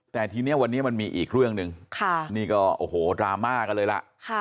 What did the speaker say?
แต่ทีนี้วันนี้มันมีอีกเรื่องหนึ่งนี่ก็โอ้โหดราม่ากันเลยล่ะ